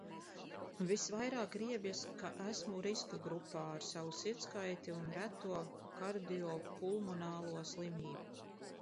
Visvairāk riebjas, ka esmu riska grupā ar savu sirdskaiti un reto kardiopulmonālo slimību.